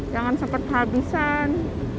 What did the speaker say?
jangan sempat kehabisan